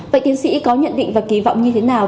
vậy tiến sĩ có nhận định và kỳ vọng như thế nào